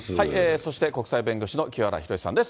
そして国際弁護士の清原博さんです。